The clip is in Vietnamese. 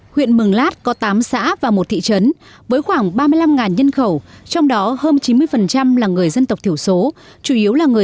huyện mầng lát có tám xã và một thị trấn với khoảng ba mươi năm nhân khẩu trong đó hơn chín mươi là người dân tộc thiểu số